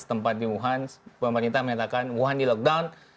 tempat di wuhan pemerintah menyatakan wuhan di lockdown